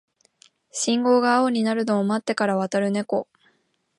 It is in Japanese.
信号が青になるのを待ってから渡るネコ